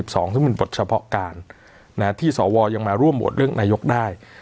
ซึ่งเป็นบทเฉพาะการที่สวยังมาร่วมโหวตเลือกนายกได้